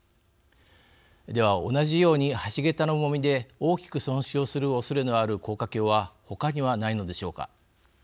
では同じように橋桁の重みで大きく損傷するおそれのある高架橋は他にはないのでしょうか。